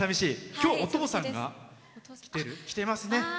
今日は、お父さんが来てますね。